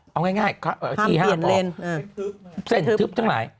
เอาง่ายที่ห้ามออกเส้นทึบทั้งหลาย